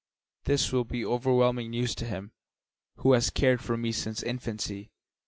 "This will be overwhelming news to him who has cared for me since infancy.